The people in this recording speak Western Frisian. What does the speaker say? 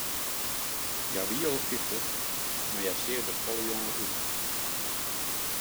Hja wie al fyftich, mar hja seach der folle jonger út.